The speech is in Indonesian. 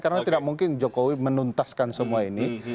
karena tidak mungkin jokowi menuntaskan semua ini